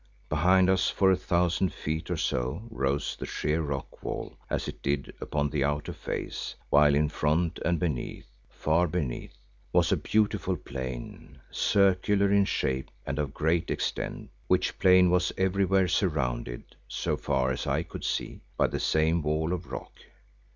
Behind us for a thousand feet or so rose the sheer rock wall as it did upon the outer face, while in front and beneath, far beneath, was a beautiful plain circular in shape and of great extent, which plain was everywhere surrounded, so far as I could see, by the same wall of rock.